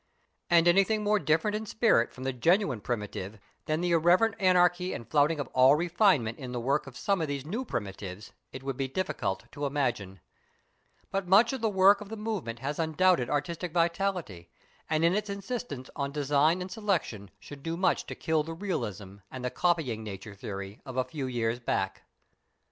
And anything more different in spirit from the genuine primitive than the irreverent anarchy and flouting of all refinement in the work of some of these new primitives, it would be difficult to imagine. But much of the work of the movement has undoubted artistic vitality, and in its insistence on design and selection should do much to kill "realism" and the "copying nature" theory of a few years back.